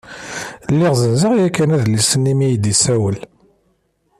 Lliɣ zzenzeɣ yakan adlis-nni mi yi-d-yessawel.